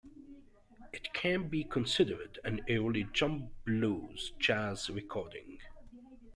It can be considered an early jump blues jazz recording.